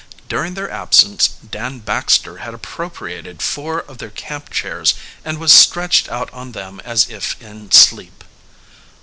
During their absence Dan Baxter had appropriated four of their camp chairs and was stretched out on them as if in sleep.